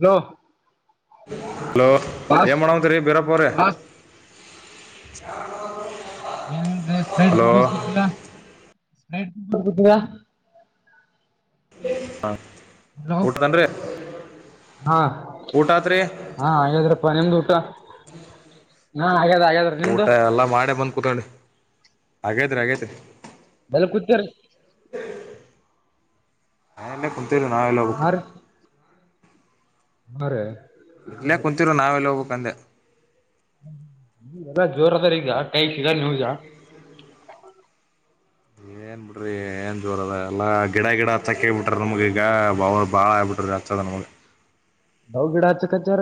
ನ. ಹಲೋ ಏ ಮಾಡಣಂತ ರೀ ಬೀರಪ್ಪರೆ. ಬಾಸ್ ಹ. ಏನ ಬೇಡ್ ಮುಗೋಗ ಗೊತ್ತಿಲ್ಲಾ ತಿಯಾ ಹಾ ಊಟದನ್ರಿ ಹಾ ಊಟ ಆತ್ರಿ ಹಾ ಹಾಗಾದ್ರಪ್ಪ ನಿಮ್ದು ಊಟ ನಾ ಹಾಗಾದ ಹಾಗಾದ್ರ ಊಟ ನಿಮ್ದು ಹಾಗೇತ್ರಿ ಹಾಗಗೇತ್ರಿ ಭಲ ಕುತ್ತೇರಿ ಹಾ ಎಲ್ಲ ಕು ತ್ತಿಲ್ಲ ನಾವಲ್ಲೋ ಬೇಕು ಹ ರೀ ಇಲ್ಲೇ ಕುಂತಿರು ನಾವ್ ಎಲ್ಲ ಹೋಬೇ ಕಂದೆ ಎಲ್ಲ ಜೋರದಾರ ಈಗ ಕೈ ಸಿಗ ನೀವುಜ ಏನ್ ಬಿಡ್ರಿ ಏನ್ ಜೋರ ಅದ ಎಲ್ಲಾ ಗಿಡ ಗಿಡ ಹಚ್ಚಕ್ಕೆ ಹೇಳ್ ಬಿಟ್ರ ನಮ್ಗ್ ಈಗ ಬ ಬಾಳ ಆಗಬಿಟ್ರಿ ಹಚ್ಚದ ನಮ್ಗ ಅವ್ರ್ ಗಿಡ ಹಚ್ಚಕಚ್ಚಾರ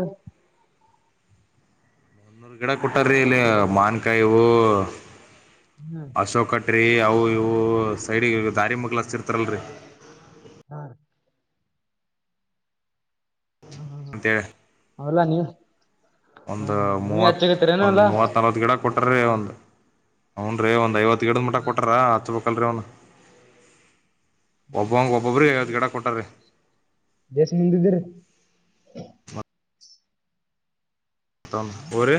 ಇನ್ನೂರು ಗಿಡ ಕೊಟ್ಟಾರೀ ಇಲ್ಲಿ ಮಾವಿನಕವು ಹ್ಮ್ ಅಶೋಕಟ ರೀ ಅವು ಇವ್ ಊ ಅ ಸೈಡಿಗೆ ದಾರಿ ಮಗ್ಲ ಹಚ್ಚಿರ್ತಾರಲ್ರಿ ಹ್ಮ್ ಹ್ಮ್ ಹ್ಮ್ ಹ್ಮ್ ಅಂತೇಳಿ ಅವಲ್ಲಾ ನೀವ್ ಹಾ ಒಂದು ಹಾ ನೀವ್ ಮೂವತ್ ಹಚ್ಚಗತ್ತೀರೇನ ಒಂದು ಅಲ್ಲಾ ಮೂವತ್ ನಲ್ವತ್ ಗಿಡ ಕೊಟ್ರೀ ಒಂದ್ ಹ್ನ್ ರೀ ಒಂದ್ ಐವತ್ ಗಿಡದ್ ಮಟ್ಟ ಕೊಟಾರ ಅಚ್ಬೇಕ್ ಕಲ್ರಿ ಅವ್ನ ಒಬ್ಬಂಗ ಒಬ್ಬೊಬ್ರಿ ಐವತ್ ಗಿಡ ಕೊಟ್ಟಾರ್ರಿ ದೇಶ್ ಮುಂದಿದಿರಿ [unintelligible] ಹ್ಮ ಹೋರಿ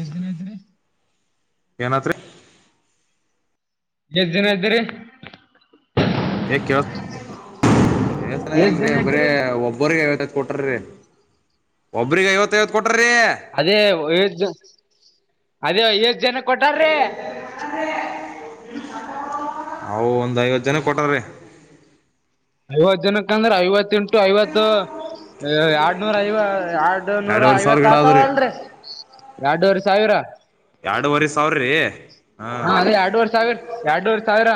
ಎಷ್ಟ ದಿನ ಇದ್ರೀ ಏನಾತ್ರಿ ಎಷ್ಟ್ ಜನ ಇದ್ದೀರಿ ಯೆ ಕೇಳ್ಸ್ ಯಸನ ಎಷ್ಟ್ ಇಲ್ರಿ ಜನ ಬರೀ ಇದ್ದೀರಿ ಒಬ್ಬರಿಗೆ ಐವತ್ತ್ ಕೊಟ್ರೀ ಒಬ್ಬ್ರಿಗೆ ಐವತ್ತು ಐವತ್ತು ಕೊಟ್ ಅದೇ ಏಟ್ ಜನ್ ಅದೇ ಐವತ್ತ್ ಜನ ಕೊಟ್ಟಾರೀ ಹವು ಒಂದ್ ಐವತ್ತು ಜನ ಕೊಟಾರ್ರೀ ಐವತ್ ಜನಕ್ಕ ಅಂದ್ರೆ ಐವತ್ ಇಂಟು ಐವತ್ತು ಎರಡ್ನೂರ ಐವ ಎರ್ಡು ನೂರ ಎರಡುವರೆ ಸಾವಿರ ಐವತ್ ಗಿಡ ಅದ್ರಿ ಆತಾವಲ್ರಿ ಎರಡುವರೆ ಸಾವಿರ ಎರಡುವರೆ ಸಾವಿರ್ರೀ ಹಾ ಸಾವ್ರ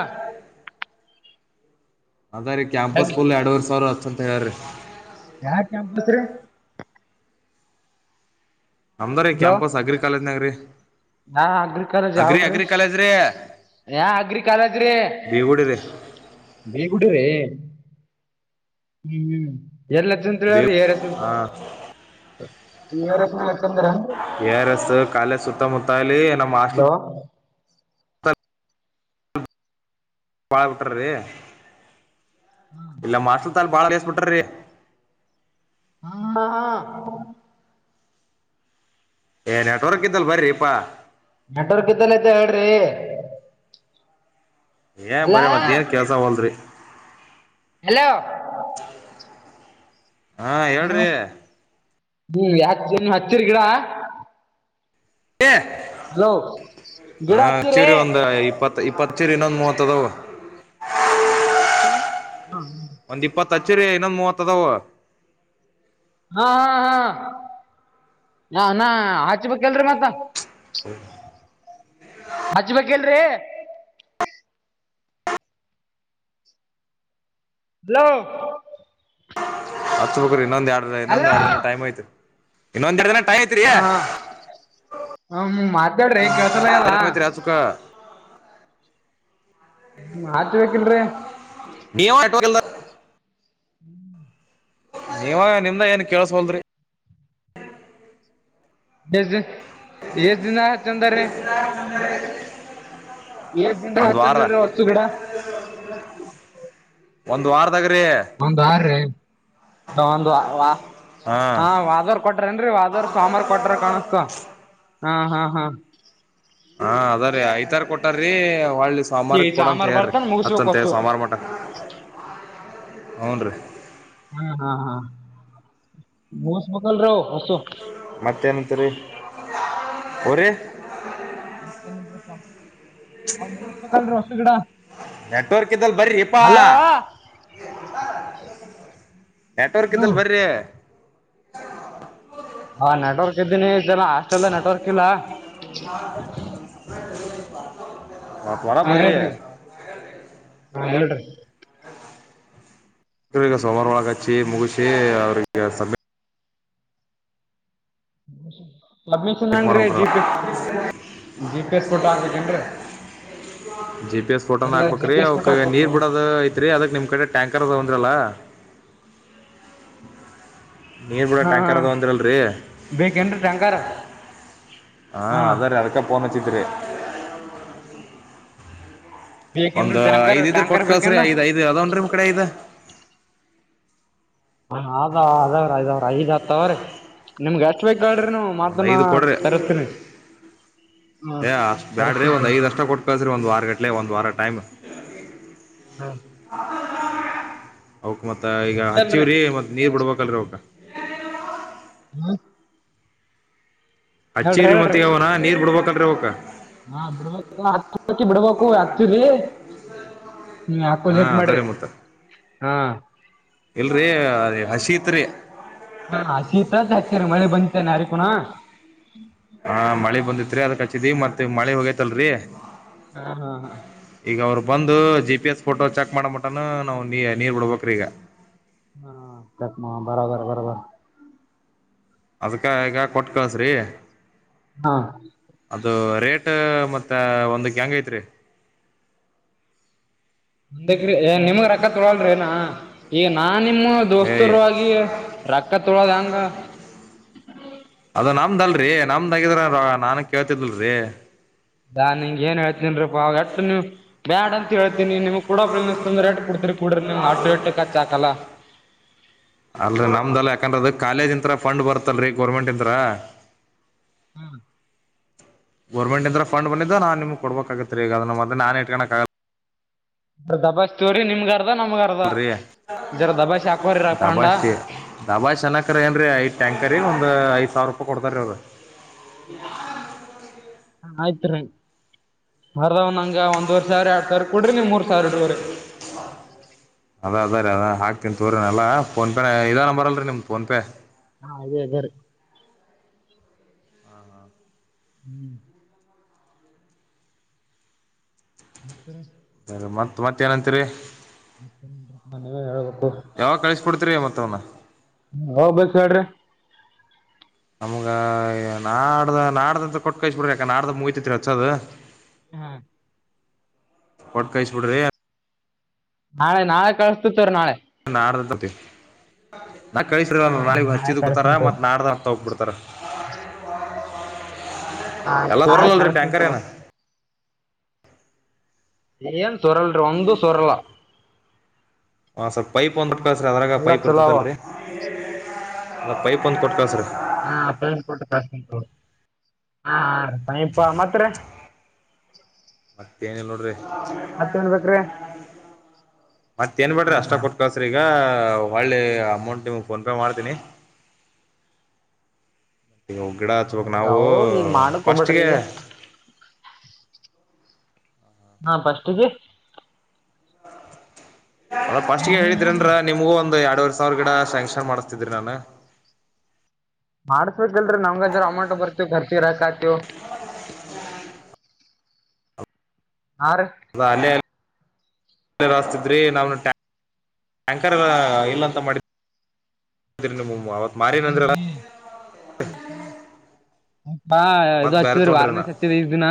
ಹದ ರೀ ಕ್ಯಾಂಪಸ್ಫುಲ್ ಎರಡುವರೆ ಸಾವ್ರ ಹಚ್ಚನ್ ಆರಿ ಯಾವ ಕ್ಯಾಂಪಸ್ ರೀ ನಮ್ದ ರೀ ಹಲೋ ಕ್ಯಾಂಪಸ್ ಅಗ್ರಿ ಕಾಲೇಜ್ನಾಗ ರೀ ಯ ಅಗ್ರಿ ಕಾಲೇಜ್ ಅಗ್ರಿ ಅವ್ರೀ ಅಗ್ರಿ ಕಾಲೇಜ್ ರೀ ಯ ಅಗ್ರಿ ಕಾಲೇಜ್ರೀಡ ಬೇಗುಡಿ ರೀ ಹ್ಮ್ ಹ್ಮ ಎಲ್ಲ ಜತ್ ಅವಿ ಬೇವು ಹೆಸ ಹಾ ತಿ ಯ ರಸ್ ಕಾಲ ಸುತ್ತಮುತ್ತಲ್ಲ ಪ್ಲ ಹಲೋ [unintelligible] ಬಾಳ ಬಿಟ್ರ್ರೀ ಇಲ್ಲ ಮಾರ್ಷಲ್ ತಾಲ್ ಬಾಳ ಬಿಡ್ರಿ ಹಮ್ಮಾ ಏ ನೆಟ್ವರ್ಕ್ ಇದ್ದಲ್ ಬರಿಪಾ ನೆಟ್ವರ್ಕ್ ಇತ್ತಲ ಐತೆ ಹೇಳ್ರಿ ಏ ಬರ ಹಲೋ ಮತ್ತ ಏನ್ ಕೆಲ್ಸ ಹೋಲ್ರಿ ಹಲೋ ಹಾ ಹೇಳ್ರಿ ಹ್ಮ್ ಯಾತ್ ಜನ್ ಹತ್ತಿರ್ ಗಿಡ ಹಲೋ ಹ ಗಿಡ ಹಚ್ಚಿರಿ ಚೀರಿ ಒಂದು ಇಪ್ಪತ್ತು ಇಪ್ಪತ್ ಚೀರಿ ಇನ್ನೊಂದು ಮೂ ಮತ್ತದ ಹ್ಮ ಹಚ್ಚಿರಿ ಇನ್ನು ಒಂದು ಮೂವತ್ತ ಅದಾವ ಹಾ ಹಾ ಹಾ ನ ನ ಹಚ್ಚಬೇಕಿಲ್ಲರಿ ಮತ್ತ ಹಚ್ಚಬೇಕಿಲ್ ರೀ ಹಲೋ ಹಚ್ ಬೇಕ್ರಿ ಇನ್ನೊಂದು ಎರಡು ಇನ್ನೊಂದು ಹಲೋ ಎಡು ದಿನ ಟೈಮ್ ಐ ತಿ ಇನ್ನೊಂದೆಡು ದಿನ ಟೈಮ್ ಐತ್ರಿ ಹಾ ಹ ಮಾತಾಡ್ರಿ ಕೇಳ್ಸಲಗಲ್ಲ ಐತ್ರಿ ಹಚ್ಚುಕ ಹ್ಮ ಹಚ್ಬೇಕ್ ಇಲ್ರಿ ನೀ ನೀವಾಗ ನಿಮ್ದ ಏನ್ ಕೆಳಸವಲ್ಡುರಿ ಎಷ್ಟ್ದ ಎಷ್ಟ ದಿನ. ಹಚ್ಚಂದಾರಿ ಎಷ್ಟ ದಿನ ಒಂದು ವಾರ ಹಚ್ಚಂದ್ರಿ ಹೊಸ್ತು ಗಿಡ ಒಂದು ವಾರ. ಒ ಒ ಹಾ ಹ ವಾದವರ್ ಕೊಟ್ರನ್ೀ ವಾದವರ್ ಸೋಮಾರ ಕೊಟ್ರ ಕಾಣಸ್ತ. ಹಾ ಹಾ ಹಾ. ಹಾ ಅದ್ರೀ ಐ್ತಾರ ಕೊಟಾರ್ರೀ. ಹಳ್ಳಿ ಸಂಬಾರ ಈ ಕೊಡಂತ ಸಾಮಾರ್ ಹೇಳಾರಿ ಬರ್ತಾನ ಮುಗಿಸ್ಬೇಕ್ ಹತ್ತಂತ ಹೊಸು ಸಂಬಾರು ಮಟ. ಹೂನ್. ಹಾ ಹಾ ಹಾ ಮ ಸ ಮಕಲ್ ರ ಅಸು. ಮತ್ತೇನಂತರಿೀ ಅವರೇ. ಹತ್ತ. ನೆಟ್ವರ್ಕ್ ಇದಲ್ ಬರ್ರಿ ಇಪ್ಪಾ ಹಲೋ ನೆಟ್ವರ್ ಹಲೋ ಇದಲ್ ಬರ್ರಿ. ಹ ಹಾ ನೆಟ್ವರ್ಕ್ ಇದ್ದೀನಿ. ಇದೆಲ್ಲ ಹಾಸ್ಟೆಲ್ ನೆಟ್ವರ್ಕ್ ಇಲ್ಲ. ಬತ. ಹಾ ಹೇಳ್ರಿ ಹಾ ಹೇಳ್ರಿ. ಗ ಸೋಮಾರ ಒಳ. ಗಚಿ ಮುಗಸಿ ಅವರು ಯ ಸಮ ಹ್ಮ್ಮ ಚ ಮಾಡ್ಬೇಕ ಜಿ ಪಿ ಎಸ್ ಫೋಟೋ ಹಾಕ್ಬೇಕೇನ್ರಿ ಜಿ ಪಿ ಎಸ್ ಫೋಟೋನ ಎಲ್ಲ ಜಿ ಹಾಕ್ಬೇಕ್ರಿ ಪಿ ಎಸ್ ಅವಕ್ ಕೊಟ್ಟು ಹಾಕ್ಬೇಕು ನೀರ್ ಬಿಡೋದ ಐತ್ರಿ ಅದಕ್ ನಿಮ್ ಕಡೆ ಟ್ಯಾಂಕರ್ ಅದಂದ್ರಲ್ಲ ನೀರ್ ಕೂಡ ಹಾ ಹಾ ಟ್ಯಾಂಕರ್ ಅದ ಒಂದಿರಲ್ರಿ ಬೇಕೇನ್ರಿ ಟ್ಯಾಂಕರ್ ಹ ಹಾ ಅದ್ರೀ ಅದಕ್ಕ ಪೋನ್ಚ್ಚಿತ್ರಿ ಒಂದ್ ಬೇಕೇನ್ರಿ ಟ್ಯಾಂಕರ್ ಐದ್ ಇದ್ರ ಕೊಟ್ ಟ್ಯಾಂಕರ್ ಕಲ್ಸ್ರಿ ಬೇಕೇನು ಐದ್ ಐದ್ ಅದನ್್ರೀ ನಿಮ್ ಕಡೆ ಐದ ಹ ಅದ ಅಾವ್ರಐದಾವ್ರ ಐದ. ್ರೀ ನಿಮ್ಗೆ ಅಷ್ಟ ಬೇಕಾ್ರಿ ಒಂದ್ ಐದು ಕೊಡ್ರಿ ಹ್ಮ ಏ ಅಷ್ಟ ಬ್ಯಾಡ್ರಿ ಒಂದ್ ಹ್ಮ ಐದ್ ಅಷ್ಟ ಕೊಟ್ಟು ಕಳ್ಸ್ರಿ ಒಂದ್ ವಾರ ಗಂಲೆ ಒಂದ್ ವಾರ ಟೈಮ್ ಹ ಅವಕೆ ಮತ್ತೆ ಈಗ ಅಲ್ರಿ ಹಚ್ಚಿವ್ರೀ ಮತ್ತೆ ನೀರ್ ಬಿಡ್ಬೇಕಲ್ರರಿ ಅವ್ಕ ಹ ಹ್ಮ ಹೇಳ್ರಿ ಹಚ್ಚಿವ್ರಿ ಮತ್ ಹೇಳ್ರಿ ಅವನ ನೀರ್ ಬಿಡ್ಬೇಕಲ್ರಿ ಅವಕ ಹಾ ಬಿಡ್ಬೇಕಿ ಬಿಡ್ಬೇಕು ಹಾಕ್ತ್ರಿ ನೀ್ಮ ಹಾಕೋ ಹಾ ಹಟ್ ಮಾಡ್ರಿ ಅದರಿ ಮತ್ತ ಹಾ. ಇಲ್ರಿ ಅ ಹಸಿ ತ್ರಿ. ಹಾ ಶೀತತ್ ಹಾಕ್ತೇರಿ ಮಳಿ ಬಂತೇನೆ ಅರಿಕುನ. ಹಾ ಮಳೆ ಬಂದಿತ್ರಿ ಅದಕ್ಕ ಮತ್ತೆ ಮಳೆ ಹೋಗೇತಲ್ರರಿ ಹಾ ಹಾ ಹಾ ಬಂದು G P S photo check ಮಾಡ ಮಟಾನ ನಾವು ನೀ ನೀರ್ ಬಿಡ್ಬೇಕ್ರೀ ಈಗ ಹಾ ಚತ್ ಬರಬರ ಬರಬರ ಅದಕ್ಕೆ ಈಗ ಕೊಟ್ ಕಳ್ಸ್ರಿ. ಹಾ ಅದು ರೇಟ್ ಮತ್ತೆ ಒಂದಕ್ಕ ಹೆಂಗ್ ಐತ್ರಿ. ನಿಮಗ ರಾ ತೊಳಳ್ರ ಏನ ಈಗ ನಾ ನಿಮ್ಮ ಏಯ್ ದೋಸ್ತರು ಆಗಿ ರೊಕ್ಕ ತೊಳೋದ ಹೆಂಗ [inaudible] ಅದ ನಮ್ದಲ್ರರಿ ನಮ್ದಗಿದ್ರ ನಾನನ್ ಕೇಳ್ತಿದಲ್ರರಿ ದಾನ [unintelligible] ಬ್ಯಾಡ ಅಂತ ಹೇಳ್ತೀನಿ ನಿಮ್ಗ್ ಕೂಡ ಅನ್ಸ್ತಂದ್ರೆ ರೇಟ್ ಕೊಡ್ತರಿ ಕೂಡ್ರಿ ನಿಮ್ ಆಟೋ ರೇಟ್ ಕಚ್ಚ ಹಾಕಲ್ಲ ಅಲ್ ನಮ್ದಲ್ಲ ಯಾಕಂದ್ರೆ ಅದು ಕಾಲೇಜ್ ಇಂತ ಅತ್ರ ಫಂಡ್ ಬರ್ತಲ್ರರಿ ಗೋರ್ಮೆಂಟ್ ಇಂದ್ರ ಗೋರ್ಮೆಂಟ್ಂದ ಫಂಡ್ ಬಿದ್ದೆ ನಾನ್ ನಿಮ್ ಕೊಬೇಕಾಗತ್ತತ್ರಿ ಈಗದ ಮತ್ತೆ ನನ್ ಇಟ್ಕ ಆಗಲ್ಲ. ದಬಾಸ್ತೀವ್ರರಿ ನಿಮ್ಗ ಅರ್ಧ ನಮ್ಗ ಅರ್ಧ ಲ್ರಿ ಇದರ ದಬಾಸಿ ಹಾಕೋರಿ ಪಾಂಡ ದಬಾಸಿ ದಬಾಸಿ ಅನ್ನಕರೇ ಏನ್ರಿ ಐಟ್ಯಾಂಕ್ ಕರಿ ಒಂದ್ ಐದ್ ಸಾವಿರ ರೂಪಾಯಿ ಕೊಡ್ತಾರ ಅವದ ಆಯ್ತ್ ರೀ ಹ ದಾವ ನಂಗ ಒಂದ್ವರ್ ಸಾವಿರ ಎರಡ್ ಸಾವಿರ ಕೊಡ್ರಿ ನೀವ ಮೂರ್ ಸಾವಿರ ಇಟ್ಕೋರಿ. ಕಿ ತೋರಿನಲ್ಲ ಫೋನ್ ಪೇ ಇದೇ ನಂಬರಲ್ಲರಿ ನಿಮ್ಮ್ದ ಫೋನ್ಪೇ. ಹಾ ಇದೆ ಇದೇರಿ. ಹ್ಮ್. ನಮಸ್ಕಾರ. ಸರಿ ಮತ್ತ್ ಮತ್ತ ಏನಂತೀರಿ. ನೀವ ಹೇಳಬೇಕ. ಯಾವಾಗ ಕಳಿಸಕೋಡ್ತರಿ ಮತ್ತವನ್ನ ಹೋಗ್ಬೇಕು ಹೇಳ್ರಿ. ನಮ್ಗ ನಾಡ್ದ ನಾಡ್ದಂತ ಕೊಟ್ ಕಿಸ ಬಿಡ್ರಿ ಯಾಕ ನಾಡ್ದ ಮುಗತಿತ್ರಿ ಹಚ್ಚದ. ಹಾ ಕೊಟ್ ಕಾಯಸ್ಬಿಡ್ರಿ ನಾಳೆ ನಾಳೆ ಕಳಸ್ತತ್ವ ನಾಳೆ ನಾಡ [unintelligible] ನಾ ಕಳಸ ಹಾ ನಾಳಗ್ ನಾಳೆ ಹಚ್ಚಿದ್ ಬಿತ ಕಳಸ್ತನ್ ತೋರಿ ಮತ್ ನಡ್ದ ಹಂತ ಹೋಗ್ಬ ಬಿಡ್ತಾರ. ಹಾ [unintelligible] ಎಲ್ಲ ನಾಳೆ ರಲ್ಲಲ್ರಿ ಕಳಸ್ತನ್ ಟ್ಯಾಂಕರ್ ಏನ ತೋರಿ ಇದೇನ್ ಸುರಲ್ ಒಂದು ಸೋರಲಾ ಹ ಸರ್ ಪೈಪ್ ಒಂದ್ಟ್ ಕಳಸ್ರೀ ಅದ್ರಾಗ ಎಲ್ಲಾ ಪೈಪ್ ಚಲೋ ಅವ ಇರ್ತತಿಲ್ರಿ ಅಲ್ಲ ಪೈಪ್ ಒಂದ್ ಕೊಟ್ಕಳಸ್ರರಿ ಹಾ ಹ ಅಪ್ಪ ಮಾತ್ರ [unintelligible] [inaudible] ಏನಿಲ್ಲ ನೋಡ್ರಿ ಬೇಕ್ರಿ ಮತ್ತೇಏನ್ಬೇಡ್ರಿ ಹಾ ಅಷ್ಟ ಹಾ ಕೊಟ್ ಕಳಸ್ರಿ ಈಗ ಒಳ್ಳೆ ಅಮೌಂಟ್ ನಿಮ್ ಫೋನ್ ಪೇ ಮಾಡ್ತೀನಿ ಮತ್ತ ಈಗ ಗಿಡ ಹಚ್ಬಕ್ ನಾವು ಅವು ಈಗ ಮಾಡಕ್ ಹೋಗ್ಬೇಡ್ರಿ ಫಸ್ಟ್ಗೆ ಈಗ ಹಾ ಫಸ್ಟ್ ಗೆ ಹ ಒ ಫಸ್ಟ್ ಗೆ ಹೇಳಿದ್ರ ಅಂದ್ರ ನಿಮಗ ಒಂದು ಎ ಎರಡುವರ್ ಸಾವಿರ ಗಿಡ ಶಾಂಕ್ಷನ್ ಮಾಡಿಸತಿದ್ರಿ ನಾನು ಮಾಡ ಲ್ರಿ ನಮ್ಗೆಜರ ಅಮಂಟ ಬರ್ತವಿ ಖರ್ಚಿಗೆ ರೊಕ್ಕ ಆಗ್ತಿದ್ವು ಹಾ ರೀ ಅದ ಅಲ್ಲೇ ತಿದ್ರಿ ನಾವ್ ಟ್ಯಾಂಕರ್ ಇಲ್ಲಂತ ಮಾಡಿದ ಅವತ್ ಮಾರಿನಂದ್ರ ಹ್ಮ ಹಾ ಇದು ಹಚ್ಚಿದ್ರೀ ವಾರ್ನೆಸ್ ಹಚ್ಚದ ಈ ದಿನ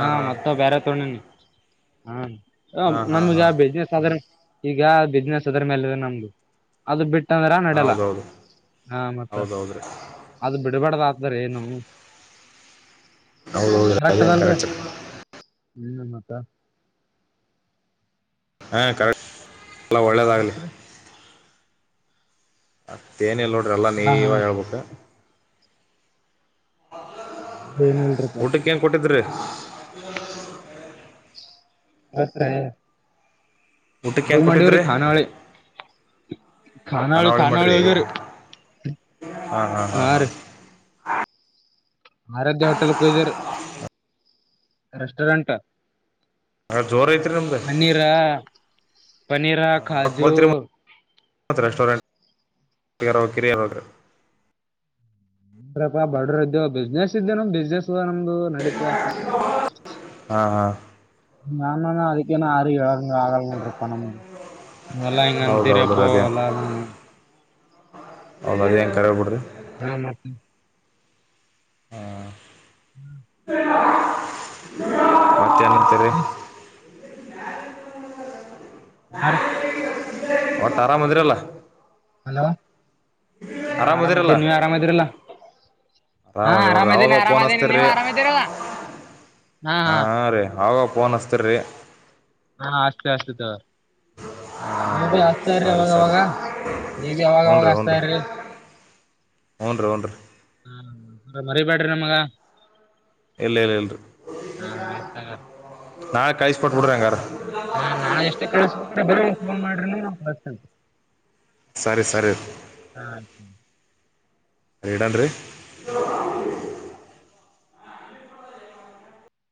ಹಾ ಮತ್ತ ಬೇರೆ ತೋೊಂಡನಿ ಹಾ ಹ ಹಾ ಹಾ ನಮ್ಗೆ ಹಾ ಯಾವ ಬಿಸಿನೆಸ್ ಅಂದ್ರ ಸಾಧಾರಣ ಈಗ ಬಿಸ್ನೆಸ್ ಅದ್ರ ಮೇಲೆ ನಮ್ದು ಅದು ಬಿಟ್ಟ ಅಂದ್ರ ನಡೆಲ್ಲ ಹೌದೌದು ಹಾ ಮತ್ತ ಹೌದೌದ್ರೀ ಅದು ಬಿಡಬೇಡ್ದಾಗತಾರೆ ಏನು ಅವಳ ಹೌದ ಕರೆಕ್ಟ್ ಅದೇನ್ ಅದಲ್ರಿ ಕರೆಕ್ಟರ್ ಹ್ಮ್ ಮತ್ತ ಹೇ ಕರೆಕ್ಟ್ ಎಲ್ಲ ಹಾ ಒಳ್ಳೆಯದಾಗಲಿ ಮತ್ರಿ ಮತ್ತೇಏನಲ್ಲ ನೋಡ ಅರೆಲ್ಲ ಹಾ ಹಾ ನೀವಾಗ ಹೇಳ್ಬೇಕೆ ಏನ್ ಇಲ್ರಿಪಾ ಹ ಊಟಕ್ಕೆ ಏನ್ ಕೊಟ್ಟಿದ್ರಿ [unintelligible] [unintelligible] ಊಟಕ್ಕೆ ಏನ್ ಕೊಟ್ಟಿದ್ರಿ [unintelligible] ಖಾನಾವಳಿ [inaudible] ಖಾನಾವಳಿ ಖಾನಾವಳಿ ಹೋಗೇರಿ ಹಾ ಹಾ ಹಾ ಹಾ ಆರಾಧ್ಯ ಹೋಟೆಲ್ಕ ಹೊಗೆರ್ರೀ ರೆಸ್ಟೋರೆಂಟ್ ಜೋರ್ ಐತ್ರಿ ನಮ್ದ ಪನೀರ ಕಾಜು ರೆಸ್ಟೋರೆಂಟ್ [unintelligible] [unintelligible] ಬಡ್ರ ಇದ್ದು ಬಿಸ್ನೆಸ್ ಇದ್ದೆ ನಮ್ಮ್ ಬಿಸ್ನೆಸ್ ನಮ್ದು ನಡೀತದ ಹಾ ಹಾ ನಾನಾನ ಅದಕ್ಕನು ಆರು [unintelligible] ಆಗಲ್ಲ ನೋಡ್ರಪ್ಪಾ ನಮ್ಗೆ ಎಲ್ಲಾ ಹಿಂಗೇ ಹೌದೌದ್ರೀ ಅಂತಿರಪ್ಪೋ ಎಂಗಂದು ಎಲ್ಲಾ ಅದು ಏನ್ ಕೇಳ್ಬೇಡ್ರಿ ಹಾ ಮತ್ತ ಹಾ ಹ್ಮ್ ಮತ್ತೇನಂತಾರೆ [unintelligible] ಒಟ್ಟಾ ಆರಾಮಿದಿರಲ್ಲ [unintelligible] ಹಾ ಆರಾಮದಿರಲ್ಲ ಆರಾಮ್ದೀನಿ ನೀವು ಆರಾಮೀರಲ್ಲ ಹಾ ಆರಾಮದಿ ನೋಡ್ರಿ ಆರಾಮ್ದೀನಿ ಅವಾಗ ಫೋನ್ ಆರಾಮ್ದೀನಿ ನೀವು ಹಚ್ತೀರಿ ಆರಾಮ್ದೀರಲ ಹಾ ಹಾ ಹಾಂ ಹಾಂ ರೀ ಅವಾಗ ಫೋನ್ ಹಚ್ಚೋತೀರಿ ಹಾ ಅಷ್ಟೇ ಅಷ್ಟೇ ನೀವು ಭೈ ಹಚ್ತಾ ಇರಿ ಸರಿ ಅವಾಗವಾಗ ಸರಿ [inaudible] ನೀವೇ ಅವಾಗಾಗ ಹಚ್ತಾ ಇರ್ರಿ ಹುಂ ರೀ ಹುಂ ರೀ ಹಾ ಮರಿಬ್ಯಾಡ್ರಿ ನಮಗ ಇಲ್ಲ ಇಲ್ಲ ಇಲ್ಲ ಹಾ ಆಯ್ತ್ ನಾ ಕೈಸಸ್ಪಟ್ಬ ಬಿಡ್ರಂಗಾರ ಹಾ ನಾಳೆ ಎಷ್ಟೇ [unintelligible] ಫೋನ್ ಮಾಡ್ರಿ ಬರ್ತೀನಿ ಸರಿ ಹಾ ಇಡನ್ರಿ [unintelligible]